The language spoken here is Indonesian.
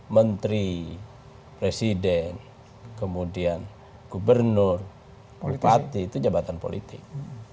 menteri presiden kemudian gubernur bupati itu jabatan politik